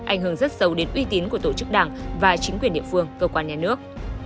ảnh hưởng rất sâu đến uy tín của tổ chức đảng và chính quyền địa phương cơ quan nhà nước